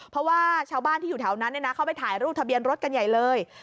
เพราะว่าชาวบ้านที่อยู่แถวนั้นเข้าไปถ่ายรูปทะเบียนรถกันใหญ่เลย